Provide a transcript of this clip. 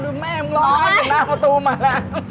ดูแม่มึงร้องไห้จากหน้าประตูมาแล้ว